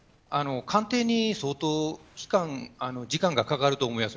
鑑定に相当時間がかかると思います。